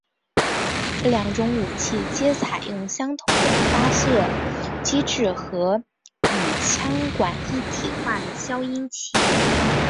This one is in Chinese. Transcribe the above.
这两种武器皆采用相同的发射机制和与枪管一体化的消音器。